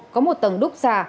có một tầng đúc xà